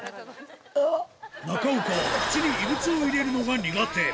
中岡は、口に異物を入れるのが苦手。